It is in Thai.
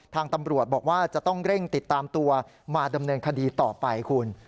ทางตำรวจบอกว่าจะต้องเร่งติดตามตัวมาดำเนินคดีต่อไปคุณ